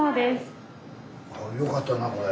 よかったなこれ。